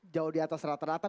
jauh di atas rata rata